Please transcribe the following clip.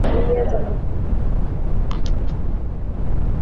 Gunia za makaa.